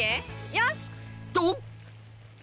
よし！と！